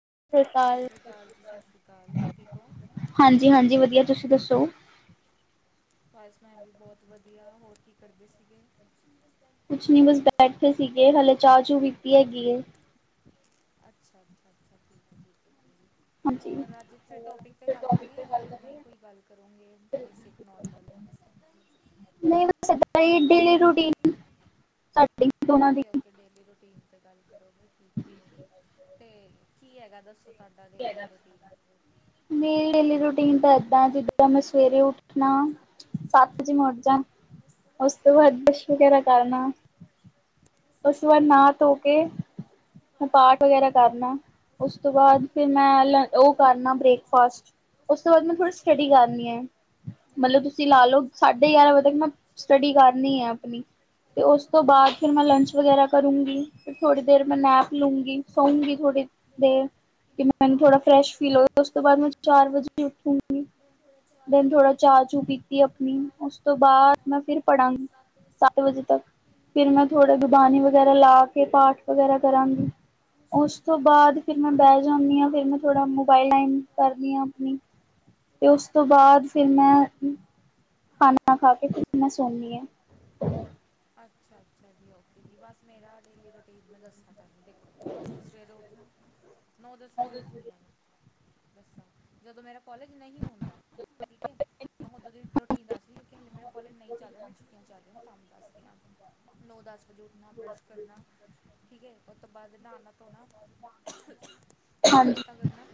[unintelligible] ਸਤ ਸਤਿ ਸ੍ਰੀ ਸ਼੍ਰੀ ਅਕਾਲ ਜੀ ਸਤਿ ਸ਼੍ਰੀ ਅਕਾਲ ਹੋਰ ਠੀਕ ਹੋ? ਹਾਂਜੀ-ਹਾਂਜੀ ਹਾਂਜੀ, ਹਾਂਜੀ, ਵਧੀਆ ਤੁਸੀਂ ਦੱਸੋ। [unintelligible] [unintelligible] ਕੁਛ ਨਹੀਂ ਬਸ ਬੈਠਦੇ ਸੀਗੇ ਹਲੇ ਚਾਹ ਚੂ ਪੀਤੀ ਹੈਗੀ। [inaudible] [unintelligible] ਹਾਂਜੀ। ਹੋਰ ਅੱਜਿਰ ਟੋਪਿਕ ਤੇ ਗੱਲ ਕਰਨੀ ਜਾਂ ਫਿਰ ਦਾਂ ਹੀ ਕੋਈ ਗੱਲ ਕਰੋਗੇ ਬੇਸਿਕ। [inaudible] [unintelligible] ਨ੍ਹੀਂ ਮ ਸ ਰੂਟੀਨ ਡੇਲੀ ਸਾਡੀ routine. Daily [inaudible] okay okay daily routine 'ਤੇ ਗੱਲ ਕਰੋਗੇ ਠੀਕ ਹੈ ਠੀਕ ਹੈ ਅਤੇ ਕੀ ਹੈਗਾ ਦੱਸੋ ਤੁਹਾਡਾ ਡੇਲੀ ਰੂਟੀਨ ਮੇਰੀ ਡੇਲੀ ਰੂਟੀਨ ਇੱਦਾਂ ਹੈ ਤਾਂ ਜਿੱਦਾਂ ਦਾਂ ਮੈਂ ਜਿਦਾਂ ਮੈਂ ਉੱਠਣਾ ਸਵੇਰੇ ਉਠਣਾ ਸੱਤ ਵਜੇ ਸੱਤ ਲੱਗ ਵਜੇ ਜਾਣਾ ਮੁੜ ਜਾ ਉਸ ਤੋਂ ਬਾਅਦ ਬਰਸ਼ ਵਗੈਰਾ ਕਰਨਾ। [unintelligible] ਉਸ ਤੋਂ ਬਾਅਦ ਨਹਾ ਧੋ ਕੇ, ਮੈਂ ਪਾਠ ਵਗੈਰਾ ਕਰਨਾ, ਉਸ ਤੋਂ ਬਾਅਦ ਫਿਰ ਮੈਂ ਉਹ ਕਰਨਾ ਬ੍ਰੇਕਫਾਸਟ, ਉਸ ਤੋਂ ਬਾਅਦ ਮੈਂ ਥੋੜ੍ਹੀ ਸਟੱਡੀ ਕਰਨੀ ਐ ਮਤਲਬ ਤੁਸੀਂ ਲਾ ਲਓ ਸਾਢੇ ਗਿਆਰਾਂ ਵਜੇ ਤੱਕ ਮੈਂ ਸਟੱਡੀ ਕਰਨੀਐ ਆਪਣੀ ਤੇ ਉਸ [unintelligible] ਉਸ ਤੋਂ ਬਾਅਦ ਫਿਰ ਮੈਂ ਲੰਚ ਵਗੈਰਾ ਕਰੂੰਗੀ ਫਿਰ ਥੋੜੀ ਦੇਰ ਮੈਂ ਨੈਪ ਲੂੰਗੀ, ਸੌਂਗੀ ਥੋੜੀ ਦੇਰ ਕਿ ਮੈਂ ਮੈਨੂੰ ਥੋੜ੍ਹਾ ਥੋੜਾ ਫਰੈਸ਼ ਫੀਲ ਹੋ ਉਸ ਤੋਂ ਬਾਅਦ ਮੈਂ ਚਾਰ ਉੱਠੂੰਗੀ ਵਜੇ ਉੱਠੂਂਗੀ। ਦੈਨ ਥੋੜ੍ਹਾ [unintelligible] ਚਾਹ ਦਿਨ ਚੂ ਥੋੜਾ ਪੀਤੀ ਚਾਹ ਚੂ ਆਪਣੀ ਪੀਤੀ ਉਸ ਤੋਂ ਆਪਣੀ ਬਾਅਦ ਉਸ ਤੋਂ ਮੈਂ ਫਿਰ ਬਾਅਦ ਮੈਂ ਪੜ੍ਹਾਂਗੀ ਫਿਰ ਪੜਾਂਗੀ ਸੱਤ ਵਜੇ ਤੱਕ। [unintelligible] ਫਿਰ ਮੈਂ ਥੋੜਾ ਗੁਰ ਬਾਣੀ ਵਗੈਰਾ ਲਾ ਕੇ ਪਾਠ ਵਗੈਰਾ ਕਰਾਂਗੀ ਉਸ ਤੋਂ ਬਾਅਦ ਫਿਰ ਮੈਂ ਬਹਿ ਜਾਂਣੀ ਆਂ, ਫਿਰ ਮੈਂ ਥੋੜਾ ਮੋਬਲ ਲਾਈਨ ਕਰਦੀ ਹਾਂ ਆਪਣੀ। ਤੇ ਉਸ ਤੋਂ ਬਾਅਦ ਫਿਰ ਮੈਂ ਖਾਨਾ ਖਾ ਕੇ ਫਿਰ ਮੈਂ ਸੋਨੀ ਐਂ। [inaudible] [unintelligible] ਦੇਖੋ ਸਵੇਰੇ ਉੱਠਣਾ ਨੌ ਦਸ ਵਜੇ ਉੱਠਦੀਆਂ ਮੈਂ ਦੱਸਾਂ ਜਦੋਂ ਮੇਰਾ ਕੋਲਜ ਨਹੀਂ ਹੁੰਦਾ ਠੀਕ ਐ, ਮੈਂ ਓਦੋਂ ਦੀ ਰੋਟੀਨ ਦੱਸਦੀ ਕਿਉਂਕਿ ਹਲੇ ਮੇਰਾ ਕੋਲਜ ਨਹੀਂ ਚੱਲ ਰਿਆ ਮੇਰੀ ਛੁੱਟੀਆਂ ਚੱਲਦੀਆਂ [unintelligible] [unintelligible] ਨੌ ਦਸ ਵਜੇ ਉੱਠਣਾ ਬਰੱਸ਼ ਕਰਨਾ। ਠੀਕ ਹੈ ਉਸਤੋਂ ਤੋਂ ਬਾਅਦ ਨਹਾਨਾ ਤੋਣਾ ਹਾਂਜੀ। ਨਾਸ਼ਤਾ ਕਰਨਾ,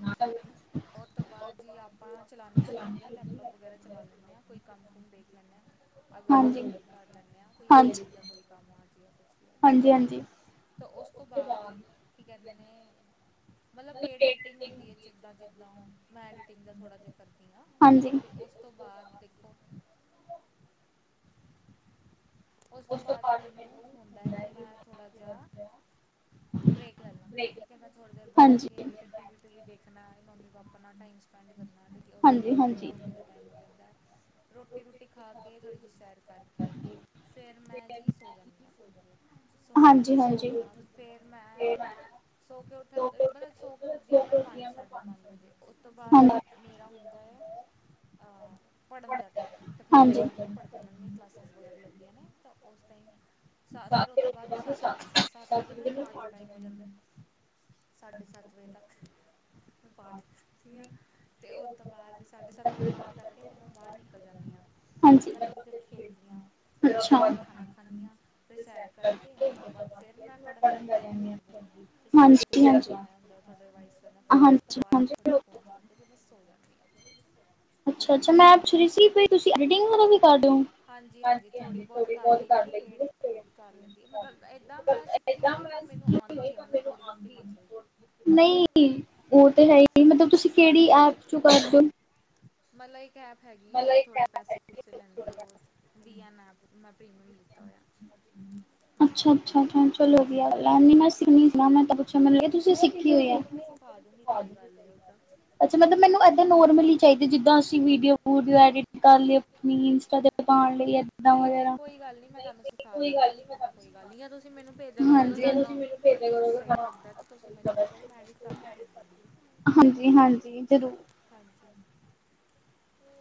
ਉਹ ਤੋਂ ਬਾਅਦ ਜੀ ਆਪਾਂ ਚਲਾਣੇ ਆ ਥੋੜੇ ਦੇਰ ਹਾਂਜੀ, ਲੈਪਟੋਪ ਵਗੈਰਾ ਚਲਾ ਲੈਂਦੇ ਹਾਂ, ਕੋਈ ਕੰਮ ਕੁਮ ਦੇਖ ਲੈਣੇ ਹਾਂ ਅਗਰ ਹੋਏ ਹਾਂਜੀ। ਤਾਂ ਕਰ ਲੈਣੇ ਹਾਂ। ਕੋਈ ਹਾਂਜੀ। ਐਡੀਟਿੰਗ ਦਾ ਕੋਈ ਕੰਮ ਆ ਜੇ ਜਾਂ ਕੁਛ ਵੀ ਆ ਜੇ ਹਾਂਜੀ-ਹਾਂਜੀ। ਤਾਂ ਉਸ ਤੋਂ ਬਾਅਦ ਮਤਬ ਪੇਡ ਐਡੀਟਿੰਗ ਹੁੰਦੀ ਹੈ, ਜਿੱਦਾਂ ਜਿੱਦਾਂ ਮੈਂ ਐਡੀਟਿੰਗ ਦਾ ਥੋੜ੍ਹਾ ਜਿਹਾ ਕਰਦੀ ਹਾਂ, ਹਾਂਜੀ, ਤੇ ਉਸ ਤੋਂ ਬਾਅਦ ਦੇਖੋ ਉਸ ਤੋਂ ਬਾਅਦ ਮੈਨੂੰ ਹੁੰਦਾ ਹੈ ਕਿ ਮੈਂ ਥੋੜਾ ਜਿਹਾ ਬ੍ਰੇਕ ਲੈ ਲਾਂ, ਠੀਕ ਹੈ, ਮੈਂ ਥੋੜਾ ਦੇਰ ਬੈਠ ਹਾਂਜੀ। ਕੇ, ਫਿਰ ਟੀਵੀ ਟੁਵੀ ਦੇਖ ਫੇਰ ਮੈਂ ਮੰਮੀ ਪਾਪਾ ਨਾ ਟਾਈਮ ਸਪੈਂਡ ਕਰਨਾ ਠੀਕ ਹੈ। ਉਸ ਤੋਂ ਹਾਂਜੀ ਬਾਅਦ ਹਾਂਜੀ ਰੋਟੀ ਦਾ ਟਾਈਮ ਹੋ ਜਾਂਦਾ। ਰੋਟੀ ਰੂਟੀ ਖਾ ਕੇ, ਥੋੜ੍ਹੀ ਜਿਹੀ ਸੈਰ ਕਰਕੇ ਫਿਰ ਮੈਂ ਜੀ ਸੋ ਜਾਂਦੀ ਹਾਂ ਥੋੜੀ ਦੇਰ। ਸੌ ਜਾਣਾ ਕੇ ਹਾਂਜੀ ਉੱਠਣ ਤੋਂ ਹਾਂਜੀ ਬਾਅਦ, ਫੇਰ ਮੈਂ ਸੌ ਕੇ ਉੱਠ [unintelligible] ਉੱਠਦੀ ਹਾਂ ਮੈਂ ਪੰਜ ਸਾਢੇ ਪੰਜ ਵਜੇ, ਉਸ ਤੋਂ ਬਾਅਦ ਸੌ ਮੇਰਾ ਹੁਣ ਪੜਨ ਦਾ ਟਾਈਮ ਤੇ ਫੇਰ ਉਹ ਹਾਂਜੀ ਤਾਂ ਨਾ ਪੜ੍ਹਦੀਆਂ ਮੰਨਨੀ [inaudible] ਕਲਾਸਿਜ਼ ਵਗੈਰਾ ਲੱਗੇ ਹਾਂਜੀ ਤਾਂ ਉਸ ਟਾਈਮ, ਸਾ ਫਿਰ ਉਸ ਤੋਂ ਬਾਅਦ ਸਾਤ ਸੱਤ ਵਜੇ ਮੇਰੇ ਪਾਠ ਦਾ ਟਾਈਮ ਹੋ ਜਾਂਦਾ, ਸਾਢੇ ਸੱਤ ਸੱਤ ਵਜੇ ਤੱਕ ਮੈਂ ਪਾਠ ਕਰਦੀ ਹਾਂ, ਤੇ ਉਸ ਤੋਂ ਬਾਅਦ ਸਾਢੇ ਸੱਤ ਵਜੇ ਪਾਠ ਕਰਕੇ, ਫਿਰ ਮੈਂ ਬਾਹਰ ਨਿਕਲ ਜਾਂਣੀ ਹਾਂ, ਹਾਂਜੀ ਮੈਂ ਥੋੜ੍ਹੀ ਦੇਰ ਖੇਡਦੀ ਹਾਂ। ਫੇਰ ਉਸ ਤੋਂ ਅੱਛਾ। ਹਾਂਜੀ ਬਾਅਦ ਮੈਂ ਖਾਣਾ ਖਾਣੀ ਹਾਂ। ਫਿਰ ਸੈਰ ਕਰਕੇ, ਉਸ ਤੋਂ ਹਾਂਜੀ। ਬਾਅਦ ਫਿਰ ਮੈਂ ਪੜ੍ਹਨ ਬਹਿ ਜਾਣੀ ਹਾਂ ਥੋੜੀ ਦੇਰ ਕਿਉਂਕਿ ਜਿਹੜਾ ਹਾਂਜੀ ਕਲਾਸ ਚ ਹਾਂਜੀ ਸਿਖਾਇਆ ਹੁਂਦਾ ਰਿਵਾਈਜ਼ [inaudible] ਫੇਰ ਉਹ ਤੋਂ ਬਾਅਦ ਮੈਂ ਥੋੜੀ ਫੋਨ ਚਲਾ ਕੇ ਫੇਰ ਮੈ ਸੌ ਜਾਂਦੀ ਹਾਂ। ਅੱਛਾ-ਅੱਛਾ, ਮੈਂ ਪੁੱਛ ਰਹੀ ਸੀ ਕਿ ਤੁਸੀਂ ਕੋਈ ਰੀਡਿੰਗ ਵਗੈਰਾ ਵੀ [unintelligible] ਹਾਂਜੀ ਹਾਂਜੀ ਥੋੜ੍ਹੀ ਬਹੁਤ ਕਰ ਲਈਦੀ ਹੈ ਪੇਟ ਪੂਟ ਕਰ ਲੈਂਦੀ ਹੈ ਮਤਲਬ ਇੱਦਾਂ ਮੈਂ ਸਿੱਖੀ ਨਹੀਂ ਹੋਈ ਪਰ ਮੈਨੂੰ ਆਉਂਦੀ ਹੈ ਮਤਲਬ ਗੋਡ ਗਿਫਟ ਹੀ ਮੰਨ ਲਓ ਉਹ ਤਾਂ ਹੈ ਹੀ। ਨਹੀਂ, ਮਤਲਬ ਤੁਸੀਂ ਓ ਕਿਹੜੀ ਤਾ ਐਪ ਹੈ ਹੀ ਮਤਲਬ ਤੋਂ ਤੁਸੀ ਕੇੜੀ [unintelligible] [unintelligible] ਮਲਬ ਇੱਕ ਐੱਪ ਹੈਗੀ ਹੈ, ਉਹ ਥੋੜੇ ਪੈਸੇ-ਪੂਸੇ ਲੈਂਦੀ ਉਹ ਬ-ਐਨ ਐੱਪ, ਮੈਂ ਪ੍ਰੀਮੀਅਮ ਲੀਤਾ ਹੋਇਆ ੳਦੇ ਚ। ਅੱਛਾ ਅੱਛਾੱਛਾ ਚਲੋ ਵਧੀਆੱਲ ਮ ਸੁ ਮੈਂ ਨਹੀਂ ਨਹੀਂ ਪੁਨੂੰਸੀ ਤੁਸੀਂ ਸਿੱਖੀ ਸਿੱਖਣੀ ਹੋ ਤੁਹਾਨੂੰ ਸਿਖਾ ਦੂੰਗੀ ਕੋਈ ਗੱਲ ਨਹੀਂ ਉਹ ਤਾਂ ਮੈੂੰ ਨਰ ਚਾ ਜਿੱਦਾਂ ਅਸੀਂ ਵੀਡੀਓ ਬੂ ਐਡਿਟ ਕਰ ਲਈ ਅਪਣੀ ਇੰਸਟਾ ਤੇ ਪਾਣ ਲਈ ਏਦਾਂ ਨਹੀਂ ਨਹੀਂ ਵਗੈਰਾ, ਕੋਈ ਗੱਲ ਨਹੀਂ ਮੈਂ ਤੁਹਾਨੂੰ ਨਹੀਂ-ਨਹੀਂ ਸਿਖਾ ਕੋਈ ਗੱਲ ਦਾਂਗੀ ਉਹ ਨ ਤਾਂ ਕੋਈ ਗੱਲ ਹੀ ਆ ਤੁਸੀਂ ਮੈਨੂੰ ਭੇਜ ਦਿਯਾ ਕਰੋ ਅਗਰ ਤੁਹਾਨੂੰ ਸਹੀ ਲੱਗਦਾ, ਤੇ ਤੁਸੀਂ ਮੈਨੂੰ ਭੇਜ ਦਿਯਾ ਕਰੋ, ਮੈਂ ਐਡਿਟ ਕਰਕੇ ਭੇਜ ਦਾਂਗੀ। ਹਾਂਜੀ-ਹਾਂਜੀ ਜ਼ਰੂਰ ਹਾਂਜੀ।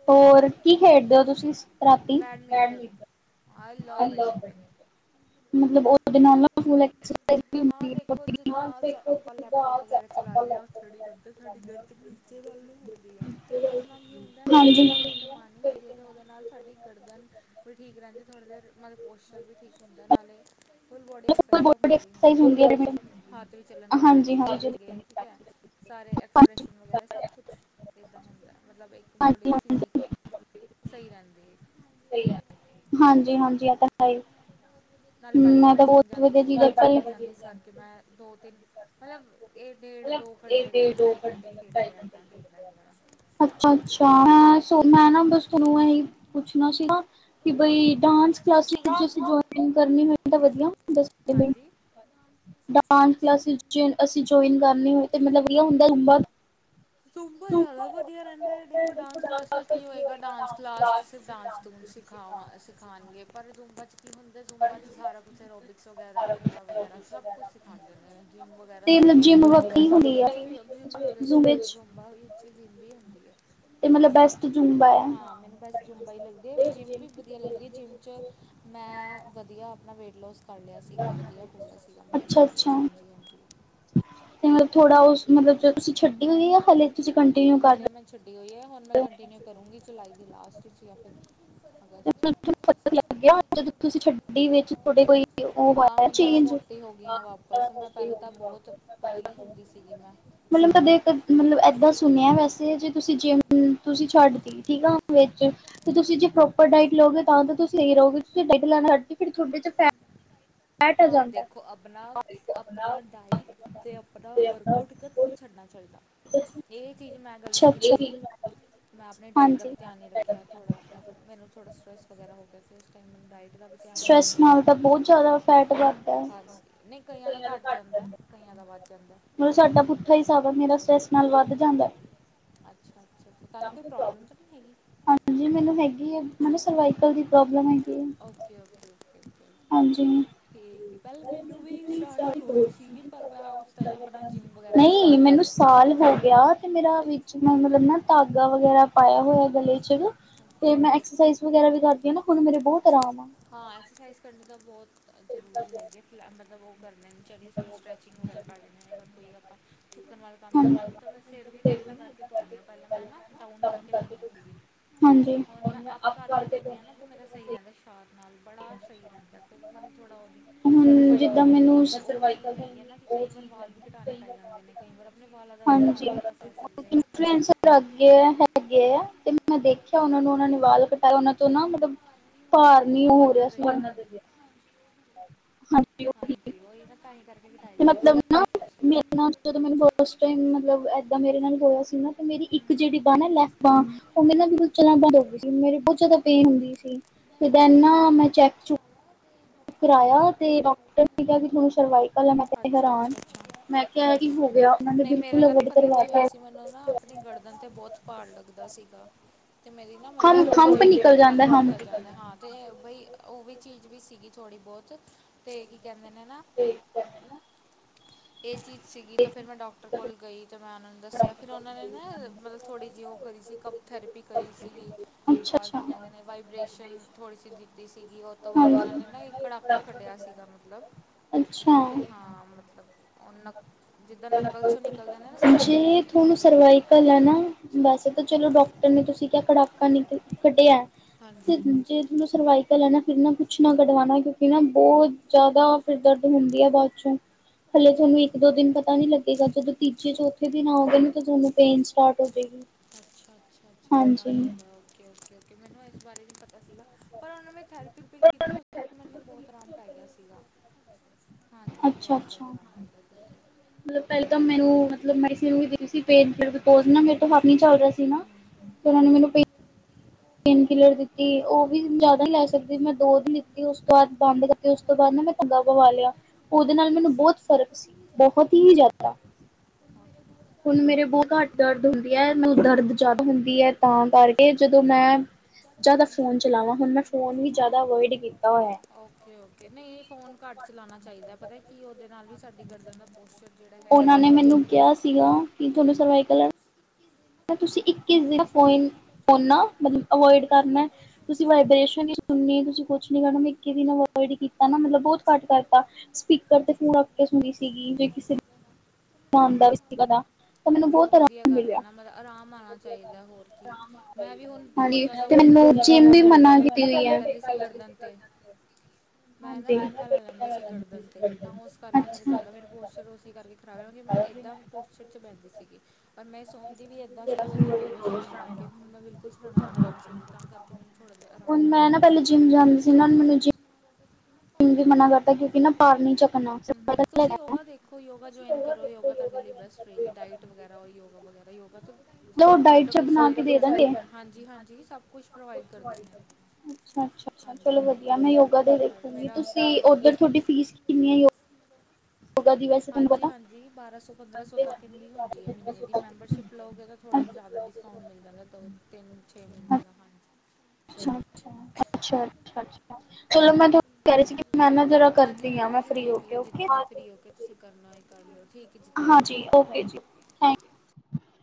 ਹੋਰ ਕੀ ਖੇਡਦੇ ਹੋ ਤੁਸੀਂ ਰਾਤੀ? Badminton, I love badminton. ਵੀ ਹਾਂ ਹੁੰਦੀ ਐ ਦੇਖੋ ਜਿੱਦਾਂ ਅਸ ਅਪਾਂ ਲੈਪਟੋਪ ਵਗੈਰਾ ਚਲਾਣੇ ਹਾਂ, ਉਹ ਸਟਡੀ ਕਰਦੇ, ਸਾਡੀ ਦਰਦ ਨੀਚੇ ਵੱਲ ਨੂੰ ਹੁੰਦੀ ਹੈ, ਤੇ ਉਹਦੇ ਨਾਲ ਹ ਨਾ ਉੱਤੇ ਹਾਂਜੀ। ਵੇਖ ਕੇ ਮਾਣੀ ਹੁੰਦੀ ਹੈ, ਤੇ ਉਹਦੇ ਨਾਲ ਸਾਡੀ ਗਰਦਨ ਵੀ ਠੀਕ ਰਹਿੰਦੀ ਹੈ, ਥੋੜ੍ਹੀ ਦੇਰ ਮਤਲਬ ਪੋਸ਼ਚਰ ਵੀ ਠੀਕ ਹੁੰਦਾ ਨਾਲੇ ਫੁੱਲ ਬੋਡੀ ਐਕਸਰਸਾਈਜ਼ ਤਾਂ ਹੁੰਦੀ ਹੀ ਹੁੰਦੀ ਹੈ, ਦੇਖੋ ਹੱਥ ਵੀ ਚੱਲਣਗੇ ਪੈਰ ਹਾਂਜੀ ਵੀ ਹਾਂਜੀ ਚੱਲਣਗੇ ਠੀਕ ਹੈ ਸਾਰੇ ਹਾਂਜੀ ਐਕਸਪ੍ਰੈਸ਼ਨ ਵਗੈਰਾ ਸਭ ਕੁਛ ਇੱਦਾਂ ਹੁੰਦਾ ਮਤਲਬ ਇੱਕ ਬੋਡੀ ਦੀ ਹਾਂਜੀ ਫਕ ਸਹੀ ਰਹਿੰਦੇ ਹੈ, [unintelligible] ਹਾਂਜੀ ਇਹ ਤਾਂ ਹੈ ਹੀ ਨਾਲੇ ਪਹਿਲਾਂ ਮੈਂ ਤਾਂ ਜਿੰਮ ਬਹੁਤ ਜਾਂਦੀ ਵਧੀਆ ਸੀ ਚੀਜ਼ ਹੈ ਪਰ ਜਿੰਮ ਨਹੀਂ ਜਾਂਦੀ ਇਸ ਕਰਕੇ ਮੈਂ ਦੋ ਤਿੰਨ ਮਤਲਬ ਇਹ ਡੇਢ ਦੋ ਘੰਟੇ ਕਦੇ ਢਾਈ ਘੰਟੇ ਖੇਡ ਲਿਆ ਇੱਦਾਂ ਖੇਡਦੀ ਆ ਨਾ ਹੈ। ਅੱਛਾ ਅੱਛਾ ਮੈਂ ਮੈਂ ਨਾ ਬਸ ਤਨੂੰ ਇਹੀ ਪੁੱਛਣਾ ਸੀਗਾ ਕਿ ਬਈ ਡਾਂਸ ਅਸੀਂ ਸੀਗਾ ਜੁਆਇਨ ਕਰਨੀ ਹੋ ਤਾਂ ਵਧੀਆ ਹੁੰ ਡਾਂ ਹਾਂਜੀ ਡਾਂਸ ਅਸੀਂ ਜੇ ਅਸੀ ਅਸੀਂ ਜੁਆਇਨ ਕਰਨੀ ਹੋਏ ਅਸੀਂ ਤਾਂ ਜਇਨ ਕਰਨੀ ਹੋਏ ਮਤਲਬ ਹੁੰਦਾ ਸੂਬਾ ਜ਼ਿਆਦਾ ਵਧੀਆ ਰਹਿੰਦਾ ਹੈ ਦੇਖੋ ਡਾਂਸ ਕਲਾਸ ਦਾ ਕੀ ਹੋਏਗਾ ਡਾਂਸ ਕਲਾਸ ਚ ਸਿਰਫ ਡਾਂਸ ਡੂਸ ਸਿਖਾਵਾਂ ਸਿਖਾਣਗੇ ਪਰੂਬਾ ਚ ਕੀ ਹੁੰਦੇ ਸਾਰਾ ਕੁਛ ਰੋਬਿਕਸ ਵਗੈਰਾ ਭੰਗੜਾ ਵਗੈਰਾ ਸਭ ਕੁਛ ਸਿਖਾਦੇ ਨੇ ਜਿੰਮ ਵਗੈਰਾ ਤੇ ਸਭ ਮਤਲਬ ਕੁਛ ਜਿੰਮ ਨਹੀਂ ਵੱਖਰੀ ਨਹੀਂ ਹੁੰਦੀ ਜਿੰਮ ਆ ਚ ਵੀ ਜਮ ਵੀ ਉਹ ਜ਼ੂਮ ਵਿੱਚ ਜ਼ੋਂਬਾ ਐ ਜਿੰਮ ਵੀ ਹੁੰਦੀ ਹੈ ਤੇ ਮਤਲਬ ਬੈਸਟ ਜੂੰਬਾ ਆ। ਹਾਂ ਮੈਨੂੰ ਬੈਸਟ ਜ਼ਬਾ ਹੀ ਲੱਗਦੀ ਹੈ, ਜਿੰਮ ਵੀ ਵਧੀਆ ਲੱਗਦੀ ਹੈ ਜਿੰਮ ਚ ਮੈਂ ਵਧੀਆ ਆਪਣਾ ਵੇਟ ਲੋਸ ਕਰ ਲਿਆ ਸੀਗਾ ਵਧੀਆ ਹੋ ਗਿਆ ਸੀਗਾ ਮੇਰਾ ਵੇਟ ਲੋਸ ਅੱਛਾ-ਅੱਛਾ ਹਾਂਜੀ ਹਾਂਜੀ। ਤੇ ਮਤਲਬ ਥੋੜਾ ਉਸ ਮਤਲਬ ਜੋਂ ਤੁਸੀਂ ਛੱਡੀ ਹੁੰਦੀ ਆ ਹਾਲੇ। ਤੁਸੀਂ ਨਹੀਂ ਕੰਟੀਨਿਊ ਕਰਲੋ। ਹਲੇ ਮੈਂ ਛੱਡੀ ਹੋਈ ਹੈ ਹੁਣ ਮੈਂ ਕੰਟੀਨਿਊ ਕਰੂੰਗੀ ਜੁਲਾਈ ਦੀ ਲਾਸਟ ਜਾਂ ਫਿਰ ਅਗਸਤ ਫਰਕ ਲੱਗਿਆ ਜਦੋਂ ਤੁਸੀਂ ਛੱਡੀ ਵਿੱਚ ਤੁਹਾਡੇ ਕੋਈ, ਅਗਸਤ ਕ ਹਾਂ ਹੁਣ ਤਾਂ ਮੈਂ ਮੋਟੀ ਹੋ ਗਈ ਹਾਂ ਵਾਪਸ ਮੈਂ ਪਹਿਲਾਂ ਤਾਂ ਬਹੁਤ ਪਤਲੀ ਹੁੰਦੀ ਸੀਗੀ ਮੈਂ ਇੱਦਾਂ ਸੁਣਿਆ ਵੈਸੇ ਦ ਜੇ ਸੁਣਿਆ ਤੁਸੀਂ ਵੈਸੇ, ਤੁਸੀਂ ਜਿਵੇ, ਜਿਮ ਹੂੰ, ਤੁਸੀਂ ਛੱਡ ਦੇ ਠੀਕ ਆ ਦਿੱਤੀ ਵਿੱਚ ਤਾਂ ਹੋ ਕਿ ਤੇ ਤੁਸੀਂ ਡਾਈਟ ਲਓਗੇ ਜੇ ਤਾਂ ਤਾਂ ਪ੍ਰੋਪਰ ਤੁਸੀਂ ਡਾਇਟ ਸਹੀ ਲਵਓਗੇ, ਰਹੋਗੇ ਜੇ ਤਾਂ ਤੁਸੀਂ ਇਹੀ ਡਾਈਟ ਰਹੋਗੇ ਲੈਣਾ ਤੁਸੀਂ ਛੱਡ ਦਿੱਤੀ ਡਾਇਟ ਲਾਣਾ ਹਾ ਫਿਰ ਤੁਹਾਡੇ ਫੈਟ ਆ ਚ ਫੈ ਫੈਟ ਆ ਜਾਂਦਾ ਹਾਂ ਜਾਂਦਾ ਦੇਖੋ ਆਪਣਾ ਆਪਣਾ ਡਾਇਟ ਅਤੇ ਆਪਣਾ ਵਰਕਆਊਟ ਕਦੇ ਨਹੀਂ ਛੱਡਣਾ ਚਾਹੀਦਾ। ਇਹ ਚੀਜ਼ ਮੈਂ ਗ਼ਲਤੀ ਅੱਛਾ ਅੱਛਾ ਕੀਤੀ ਹੈ, ਮੈਂ ਆਪਣੇ ਡਾਇਟ ਦਾ ਹਾਂਜੀ। ਵੀ ਧਿਆਨ ਨ ਰੱਖਿਆ। ਥੋੜ੍ਹਾ ਮਤਲਬ ਮੈਨੂੰ ਥੋੜ੍ਹਾ ਸਟਰੈੱਸ ਵਗੈਰਾ ਹੋ ਗਿਆ ਸੀ, ਉਸ ਟਾਈਮ ਮੈਨੂੰ ਡਾਇਟ ਦਾ ਵੀ ਧਿਆਨ ਨਹੀਂ ਰਿਹਾ, ਸਟਰੈਸ ਨਾਲ ਤਾਂ ਬਹੁਤ ਜ਼ਿਆਦਾ ਫੈਟ ਵੱਧਦਾ ਹੈ। ਹਾਂਜੀ ਨਹੀਂ ਕਈਆਂ ਦਾ ਘੱਟ ਜਾਂਦਾ ਕਈਆਂ ਦਾ ਵੱਧ ਜਾਂਦਾ। ਮਤਲਬ ਸਾਡਾ ਪੁੱਠਾ ਹੀ ਹਿਸਾਬ ਆ ਮੇਰਾ ਨਾਲ ਵੱਧ ਜਾਂਦਾ ਹਾਜੀ, ਜੀ ਮੈਨੂੰ ਹੈਗੀ ਹੈ ਮੈਨੂੰ ਸਰਵਾਈਕਲ ਦੀ ਪ੍ਰੋਬਲਮ ਹੈਗੀ। ਹੈ ਓਕੇ ਓਕੇ ਓਕੇ ਓਕੇ, ਹਾਂਜੀ। ਠੀਕ ਪਹਿਲਾਂ ਮੈਨੂੰ ਵੀ ਸਟਾਰਟਿੰਗ ਹੋਈ ਸੀਗੀ, ਪਰ ਮੈਂ ਉਸ ਟਾਈਮ ਆਪਣਾ ਜਿੰਮ ਵਗੈਰਾ ਸਟਾਰਟ ਨਹੀਂ ਕਰ ਮੈਨੂੰ ਲਿਆ ਸੀ। ਸਾਲ ਹੋ ਗਿਆ ਤੇ ਮੇਰਾ ਵਿੱਚ ਮੈਂ ਮਤਲਬ ਨਾ ਤਾ ਵਗੈਰਾ ਪਾਇਆ ਹੋਇਆ ਗਲੇ ਚ ਓਕੇ ਤੇ ਮੈਂ ਓਕੇ। ਐਕਸਰਸਾਈਜ਼ ਵਗੈਰਾ ਵੀ ਕਰਦੀ ਹਾਂ ਨਾ ਖੁਦ ਮੇਰੇ ਬਹੁਤ ਆਰਾਮ ਆ ਹਾਂ ਐਕਸਰਸਾਈਜ਼ ਕਰਨੀ ਤਾਂ ਬਹੁਤ, ਜ਼ਰੂਰੀ ਹੈਗੀ ਹੈ ਫਲਾੈ ਮਤਲਬ ਉਹ ਮੈਨੂੰ ਚਾਹਦੀ ਸੋਮ ਸਟਰੈਚਿੰਗ ਵਗੈਰਾ ਕਰ ਲੈਂਦੇ ਅਗਰ ਕੋਈ ਆਪਾਂ ਚੁਕਣ ਵਾਲੱਅ ਕੰਮ ਕਰੇ ਹੁਣ ਤਾਂ ਮੈਂ ਸਿਰ ਵੀ ਨਾ ਇੱਦਾਂ ਕਰਕੇ ਧੋਦੀ ਹਾਂ ਪਹਿਲਾਂ ਮੈਂ ਨਾ ਡਾਊਨ ਕਰਕੇ ਧੋਂਦੀ ਸੀਗੀ ਹਾਂਜੀ। ਹੁਣ ਮੈਂ ਅੱਪ ਕਰਕੇ ਧੋਦੀ ਹਾਂ ਨਾ ਤਾਂ ਮੇਰਾ ਸਹੀ ਰਹਿੰਦਾ ਹੈ ਸ਼ਰੀਰ ਉਹ ਨਹੀਂ ਸਰਵਾਈਕਲ ਤਾਂ ਇੰਨੀ ਕੁ ਉਹ ਚੀਜ਼ ਹੈਗੀ ਹੈ ਨਾ ਕਿ ਕਈ ਵਾਰ ਵਾਲ ਵੀ ਘਟਾਣੇ ਪੈ ਜਾਂਦੇ ਨੇ ਕਈ ਵਾਰ ਆਪਣੇ ਵਾਲਾਂ ਦਾ ਵੀ ਭਾਰ ਹਾਂਜੀ ਨਹੀਂ ਆਪਾਂ ਸਹਿ ਸਕਦੇ ਅੱਗੇ ਅੱਗੇ ਇਹਨੂੰ ਦੇਖਿਆ ਉਹਨਾਂ ਨੇ ਉਹਨਾਂ [unintelligible] ਵਾਲ ਖਿਆ ਉਹਨਾਂ ਕਟਾਏ ਨੂੰ ਉਹਨਾਂ ਨੇ ਤੋਂ ਨਾ ਵਾਲ ਕਟਾਇਆ ਉਹਨਾਂ ਤੋਂ ਨਾ ਮਤਲਬ ਭਾਰ ਨਹੀਂ ਉਹ ਹੋ ਹਰ ਰਿਹਾ ਸੀ ਨੀਊੂ ਹੋਰ ਅਪਰਨਾ ਦੇ ਵਿਆਹ ਹਾਂਜੀ ਉਹ ਹੋ [unintelligible] ਰਿਹਾ ਹਾਂਜੀ ਉਹ ਹੀ ਉਹੀ ਨਾ ਤਾਂ ਹੀ ਕਰਕੇ ਘਟਾਏ ਤੇ ਮਤਲਬ ਸੀਗੇ ਨਾ ਹੋਸਟਲ ਮੇਰੇ ਨਾਲ ਮਤਲਬ ਜਦੋਂ ਮੈਨ ਐਦਾਂ ਮੇਰੇ ਨਾਲ ਹੋਇਆ ਸੀ ਨਾ ਮਤਲਬ ਤੇ ਮੇਰੀ ਇਹਦਾਂ ਇੱਕ ਮੇਰੇ ਨਾਲ ਜਿਹੜੀ ਬਾਂਹ ਹੋਇਆ ਸੀ ਨਾ ਮੇਰੀ ਲੈਫਟ ਬਾਂਹ ਇੱਕ ਜਿਹੜੀ ਤੇ ਬਾਂ ਨਾ ਲੈਫ ਬਾਂ ਮੇਰੀ ਬਿਲਕੁਲ ਚੱਲਣੀ ਉਹ ਮੇਰੇ ਨਾ ਬੰਦ ਹੋ ਬਤ ਗਈ ਚਲਾਂ ਸੀ ਬੰਦ ਮੇਰੀ ਹੋ ਗਈ ਸੀ ਬਹੁਤ ਮੇਰੀ ਬਹੁਤ ਜ਼ਿਆਦਾ ਪੇਨ ਹੁੰਦੀ ਸੀ ਦੈਨ ਤੇ ਦੇਨ ਨਾ ਮੈਂ ਚੈੱਕ ਚੈਕ ਚੁੱਕ ਚੁਕ ਕਰਾਇਆ ਤੇ ਚੁੱਕ ਡਾਕਟਰ ਨੇ ਕਰਵਾਇਆ ਬਹੁਤ ਮੈਨੂੰ ਤੇ ਡਾਕਟਰ ਕਰਵਾਇਆ ਕਿਹਾ ਕਿ ਮੈਂ ਤੁਹਾਨੂੰ ਸਰਵਾਈਕਲ ਕਰਾਉਣਾ ਹੈ ਮੈਂ ਤੇ ਅੱਛਾ ਹੈਰਾਨ ਅੱਛਾ ਅੱਛਾ ਮੈਂ ਕਿਹਾ ਕੀ ਹੋ ਗਿਆ ਉਹਨਾਂ ਨੇ ਨਹੀਂ ਮੇਰਾ ਬਿਲਕੁਲ ਦਾ ਨਾ ਅਵੋਇਡ ਪਤਾ ਕੀ ਹੋਇਆ ਕਰਵਾਤਾ। ਸੀ ਮੈਨੂੰ ਨਾ ਆਪਣੀ ਗਰਦਨ ਤੇ ਬਹੁਤ ਭਾਰ ਲੱਗਦਾ ਸੀਗਾ ਤੇ ਮੇਰੀ ਨਾ ਮਤਲਬ ਹਮ ਥੋੜ੍ਹੀ ਹੰਪ ਜਿੜ ਨਿਕਲ ਜਾਂਦਾ ਹੰਪ ਨਿਕਲ ਜਾਂਦਾ ਹਾਂ ਤੇ ਬਈ ਉਹ ਵੀ ਚੀਜ਼ ਵੀ ਸੀਗੀ ਥੋੜ੍ਹੀ ਬਹੁਤ ਤੇ ਕੀ ਕਹਿੰਦੇ ਨੇ ਨਾ ਇਹ ਚੀਜ਼ ਸੀਗੀ ਤਾਂ ਫੇਿਰ ਮੈਂ ਡਾਕਟਰ ਕੋਲ ਗਈ ਅਤੇ ਮੈਂ ਉਹਨਾਂ ਨੂੰ ਦੱਸਿਆ ਫਿਰ ਉਹਨਾਂ ਨੇ ਨਾ ਮਤਲਬ ਥੋੜ੍ਹੀ ਜਿਹੀ ਉਹ ਕਰੀ ਸੀ ਕੱਪ ਥੈਰੇਪੀ ਕਰੀ ਸੀਗੀ ਅੱਛਾ ਔਰ ਅੱਛਾ। ਕੀ ਕਹਿੰਦੇ ਨੇ ਹਾਂਜੀ। ਵਾਈਬ੍ਰੇਸ਼ਨ ਥੋੜ੍ਹੀ ਜਿਹੀ ਦਿੱਤੀ ਸੀਗੀ ਉਹ ਤੋਂ ਬਾਅਦ ਉਹਨਾਂ ਨੇ ਨਾ ਇੱਕ ਕੜਾਕਾ ਕੱਢਿਆ ਸੀਗਾ ਮਤਲਬ ਅੱਛਾ। ਅਤੇ ਹਾਂ ਮਤਲਬ ਉਹ ਨਕ ਜਿੱਦਾਂ ਨਕਲ ਚੋਂ ਨਿਕਲਦੇ ਨੇ ਨਾ ਸਾਡੇ ਜੇ ਤੁਹਾਨੂੰ ਸਰਵਾਈਕਲ ਆ ਨਾ ਵੈਸੇ ਤਾਂ ਚਲੋ ਡਾਕਟਰ ਨੇ ਤੁਸੀਂ ਕਿਹਾ ਕੜਾਕਾ ਨਿਕਲ ਕਡੇਆ ਹੈ ਹਾਂਜੀ ਤੇ ਜੇ ਤੁਨੂੰ ਸਰਵਾਈਕਲ ਹੈ ਨਾ ਨਾ ਕੁਛ ਨਾ ਕਢਵਾਉਣਾ ਕਿਉਂਕਿ ਨਾ ਆ ਬਹੁਤ ਜ਼ਿਆਦਾ ਫਿਰ ਦਰਦ ਹੁੰਦੀ ਹੈ ਬਾਅਦ ਚੋਂ ਹਲੇੇ ਤੁਹਾਨੂੰ ਇੱਕ ਦੋ ਦਿਨ ਪਤਾ ਨੀ ਲੱਗੇਗਾ ਜਦੋਂ ਤੀਜੇ ਚੌਥੇ ਦਿਨ ਆਓਗੇ ਨਾ ਤਾਂ ਤੁਹਾਨੂੰ ਪੇਨ ਸਟਾਰਟ ਹੋ ਜਾਏਗੀ ਅੱਛਾ ਅੱਛਾ ਅੱਛਾ ਇਦਾਂ ਹਾਂਜੀ ਵੀ ਹੁੰਦਾ ਓਕੇ ਓਕੇ ਮੈਨੂੰ ਇਸ ਬਾਰੇ ਵੀ ਪਤਾ ਸੀਗਾ ਪਰ ਉਹਨੇ ਮੈਂ ਥੈਰੇਪੀ ਵੀ ਕੀਤੀ ਮੈਨੂੰ ਬਹੁਤ ਤ੍ਰਅਮ ਪੈ ਗਿਆ ਸੀਗਾ ਹਾਂਜੀ ਅੱਛਾ ਬਹੁਤ ਅੱਛਾ ਜ਼ਿਆਦਾ ਆਰਾਮ ਲੱਗਦਾ ਸੀ ਉੱਥੇ। ਮਤਲਬ ਪਹਿਲ ਤਾਂ ਮੈਨੂੰ ਮਤਲਬ ਨ ਮੈਡੀਸਿਨ ਵਿ ਦੇ ਰਹੀ ਸਿਗੀ ਨ, ਹਥ ਨਹੀਂ ਚੱਲ ਰਿਹਾ ਸੀ ਨਾ ਹੂੰ ਹੂੰ ਤੇ ਉਹ ਨੂੰ ਜਦੋਂ ਮੈਂ ਮੈਨੂੰ ਜ਼ਿਆਦਾ ਪੇਨ ਫੋਨ ਕਿਲਰ ਦਿੱਤੀ ਚਲਾਉਂਦਾ ਉਹ ਹਾਂ ਵੀ ਮੈਂ ਫੋਨ ਜ਼ਿਆਦਾ ਨਹੀਂ ਲੈ ਸਕਦੀ ਵੀ ਮੈਂ ਜ਼ਿਆਦਾ ਦੋ ਦਿਨ ਦਿੱਤੀ ਉਸ ਤੋਂ ਬਾਅਦ ਬੰਦਤੇ ਉਸ ਤੋਂ ਬਾਅਦ ਨਾ ਮੈਂ ਧੰਗਾ ਪਵਾ ਲਿਆ ਉਹਦੇ ਨਾਲ ਮੈਨੂੰ ਬਹੁਤ ਫ਼ਰਕ ਸੀ ਬਹੁਤ ਹੀ ਜ਼ਿਆਦਾ ਹੁਣ ਮੇਰੇ ਬਹੁਤ ਘੱਟ ਦਰਦ ਹੁੰਦੀ ਹੈ ਮੈਨੂੰ ਦਰਦ ਜਿਆਦਾ ਹੁੰਦੀ ਹੈ ਤਾਂ ਕਰਕੇ ਜਦੋਂ ਮੈਂ ਜ਼ਿਆਦਾ ਫੋਨ ਚਲਾਵਾਂ ਹੁਣ ਮੈਂ ਫੋਨ ਵੀ ਅਵੋਇਡ ਜ਼ਿਆਦਾ ਅਵੋਇਡ ਕੀਤਾ ਹੋਇਆ ਹੋਇਆ। ਓਕੇ ਓਕੇ ਨਹੀਂ ਫ਼ੋਨ ਘੱਟ ਚਲਾਉਣਾ ਚਾਹੀਦਾ ਪਤਾ ਕੀ ਉਹਦੇ ਨਾਲ ਵੀ ਸਾਡੀ ਗਰਦਨ ਦਾ ਪੋਸਚਰ ਜਿਹੜਾ ਹੈਗਾ ਉਹਨਾਂ ਨਾ ਉਹ ਨੇ ਮੈਨੂੰ ਬਿਲਕੁਲ ਕਿਹਾ ਸੀਗਾ ਕਿ ਤੁਹਾਨੂੰ ਸਰਵਾਈ ਕਲਰ ਤੁਸੀਂ ਇੱਕ ਦਿ ਫੋਨ ਮਤਲਬ ਅਵੋਇਡ ਕਰਨਾ ਤੁਸੀਂ ਵਾਈਬ੍ਰੇਸ਼ਨ ਸੁਣਨੀ ਤੁਸੀਂ ਕੁਛ ਨੀ ਕਰਨਾ ਮ ਇੱਕ ਦਿਨ ਅਵੋਇਡ ਹੀ ਕੀਤਾ ਨਾ ਮਤਲਬ ਬਹੁਤ ਘੱਟ ਕਰਤਾ ਸਪੀਕਰ ਤੇ ਫੋਨ ਅ ਕੇ ਸੁਣੀ ਸੀਗੀ ਜੇ ਕਿਸੇ ਹਾਮਦਾ ਵੀ ਸੀ ਪਤਾ ਚਤਲਬ ਵਧੀਆ ਗੱਲ ਹੈ ਨਾ ਮਤਲਬ ਆਰਾਮ ਆਉਣਾ ਚਾਹੀਦਾ ਹੋਰ ਕੀ ਮੈਂ ਵੀ ਹੁਣ ਬਹੁਤ ਹਾਂਜੀ ਜ਼ਿਆਦਾ ਤੇ ਅਵੋਇਡ ਮੈਨੂੰ ਕਰਦੀ ਹਾਂ ਜਿੰਮ ਮਤਲਬ ਵੀ ਮੈਂ ਨਾ ਮਨਾ ਪਹਿਲਾਂ ਕੀਤੀ ਟੇਕਾ ਹੋਈ ਲੈ ਹੈ। ਲੈਂਦੀ ਸੀ ਗਰਦਨ ਤੇ ਮੈਂ ਨਾ ਹਾਂਜੀ। ਟੇਕਾ ਲੈ ਲੈਂਦੀ ਸੀ ਗਰਦਨ ਤੇ ਤਾਂ ਉਸ ਕਰਕੇ ਮੇਰੇ ਅੱਛਾ। ਜ਼ਿਆਦਾ ਮੇਰੇ ਪੋਸਚਰ ਉਸ ਕਰਕੇ ਖਰਾਬ ਹੈ ਵੀ ਮੈਂ ਇੱਦਾਂ ਪੋਸਚਰ 'ਚ ਬਹਿੰਦੀ ਸੀਗੀ ਪਰ ਮੈਂ ਸੌਂਦੀ ਵੀ ਇਏਦਾਂ ਸੀ ਉਹ ਦੋ ਦੋ ਸਰਾਣੇ ਰੱਖ ਕੇ ਹੁਣ ਮੈਂ ਬਿਲਕੁਲ ਸਰਾਹਣਾ ਰੱਖ ਕੇ ਨਹੀਂੀ ਸੌਦੀ ਤਾਂ ਕਰਕੇ ਮੈਨੂੰ ਥੋੜ੍ਹਾ ਜਿਹਾ ਹੁਣ ਆਰਾਮ ਮੈਂ ਹੈਗਾ ਨਾ ਪਹਿਲੇ ਮਨੂੰ ਵੀ ਮਨਾ ਕਰਦਾ ਕਿਉਂਕਿ ਨਾ ਪਾਰ ਨਹੀਂ ਚ ਹਮ ਤੁਸੀਂ ਯੋਗਾ ਦੇਖੋ ਯੋਗਾ ਜੁਆਇਨ ਕਰੋ ਯੋਗਾ ਤੁਹਾਡੇ ਲਈ ਬੈਸਟ ਰਹੇਗੀ ਡਾਇਟ ਵਗੈਰਾ ਯੋਗਾ ਵਗੈਰਾ ਯੋਗਾ ਲੋ ਡਾਇਟ ਉਹਦੇ ਚ ਕੋਈ ਬਣਾ ਕੇ ਸਾਈਡ ਦੇ ਇਫੈਕਟ ਦਾਂਗੇ। ਵੀ ਨਹੀਂ ਹਾਂਜੀ ਹਾਂਜੀ ਸਭ ਕੁਛ ਪ੍ਰੋਵਾਈਡ ਕਰਦੇ ਨੇ ਆ। ਅੱਛਾ ਅੱਛਾ ਅੱਛਾ ਹਾਂਜੀ ਚਲੋ ਵਧੀਆ ਯਗਾ ਮੈਂ ਸਭ ਯੋਗਾ ਦਾ ਕੁਛਡ ਦੇਖੂੰਗੀ ਤੁਸੀਂ ਉੱਧਰ ਤੁਹਾਡੀ ਫੀਸ ਕਿੰਨੀ ਯੋਗਾ ਦੀ ਵੈਸੇ ਤੁਹਾਨੂੰ ਹਾਂਜੀ ਪਤਾ। ਹਾਂਜੀ ਬਾਰਾਂ ਸੌ ਪੰਦਰਾਂ ਸੌ ਤੱਕ ਇੰਨੀ ਹੁੰਦੀ ਹੈ ਮਹੀਨੇ ਦੀ ਮੈਂਬਰਸ਼ਿਪ ਲਓਗੇ ਤਾਂ ਥੋੜ੍ਹਾ ਅੱਛਾ। ਜ਼ਿਆਦਾ ਡਿਸਕਾਊਂਟ ਮਿਲ ਜਾਂਦਾ ਦੋ ਤਿੰਨ ਛੇ ਮਹੀਨੇ ਦਾ ਹਾਂਜੀ ਅੱਛਾ ਅੱ ਅੱ ਚਲ ਮੈਂ ਸੀ ਮੈਂ ਨਾ ਜਰਾ ਹਾਂਜੀ ਕਰਦੀ ਹਾਂ ਹਾਂਜੀ ਮੈਂ ਤੁਸੀਂ ਫ੍ਰਰੀ ਹੋ ਦੇਖ ਕੇ ਲਿਓ ਓਕੇ ਜਿੱਦਾਂ ਵੀ ਫਰੀ ਹੋ ਕੇ ਤੁਸੀਂ ਕਰਨਾ ਹੀ ਕਰ ਲਿਓ ਠੀਕ ਹੈ ਜੀ ਥੈਂਕ ਯੂ ਹਾਂਜੀ ਜੀ ਓਕੇ ਥੈਂਕ